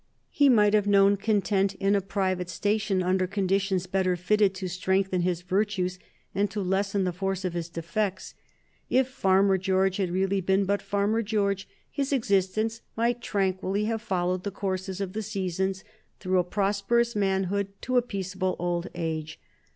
He might have known content in a private station under conditions better fitted to strengthen his virtues and to lessen the force of his defects. If Farmer George had really been but Farmer George, his existence might tranquilly have followed the courses of the seasons through a prosperous manhood to a peaceable old age.